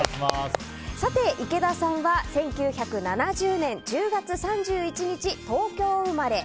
池田さんは１９７０年１０月３１日東京生まれ。